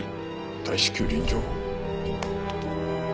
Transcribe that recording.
「大至急臨場を」